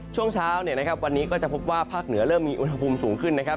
ช่วงเช้าวันนี้ก็จะพบว่าภาคเหนือเริ่มมีอุณหภูมิสูงขึ้นนะครับ